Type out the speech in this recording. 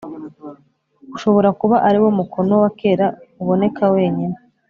Ushobora kuba ari wo mukono wa kera uboneka wonyine